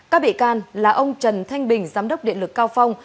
các bị can là ông trần thanh bình giám đốc điện lực cao phong